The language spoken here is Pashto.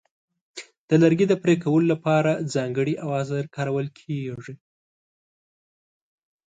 د لرګي د پرې کولو لپاره ځانګړي اوزار کارول کېږي.